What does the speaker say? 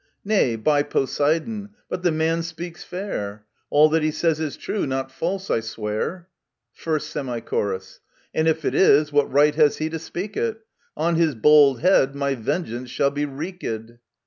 Nay, by Poseidon, but the man speaks fair : All that he says is true, not false, I swear ! ist Semi Chor. And if it is, what right has he to speak it? On his bold head my vengeance shall be wreaked